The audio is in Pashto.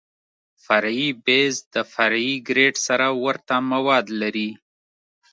فرعي بیس د فرعي ګریډ سره ورته مواد لري